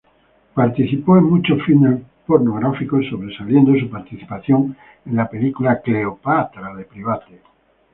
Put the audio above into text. Participó en múltiples filmes pornográficos, sobresaliendo su participación en la película "Cleopatra" de Private.